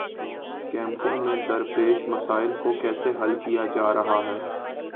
کیمپوں میں درپیش مسائل کو کیسے حل کیا جا رہا ہے؟